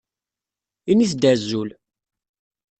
Init-d azul.